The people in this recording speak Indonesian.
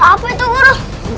apa itu guru